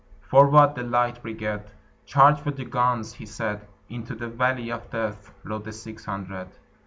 "Forward, the Light Brigade! Charge for the guns!" he said: Into the valley of Death Rode the six hundred.